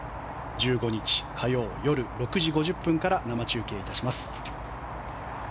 １５日火曜、夜６時５０分から生中継いたします。